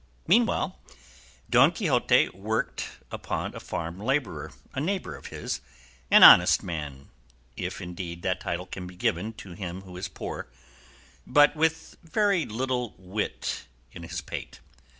Meanwhile Don Quixote worked upon a farm labourer, a neighbour of his, an honest man (if indeed that title can be given to him who is poor), but with very little wit in his pate.